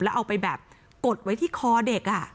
แล้วเอาไปแบบกดไว้ที่คอเด็ก